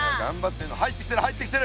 いや入ってきてる入ってきてる！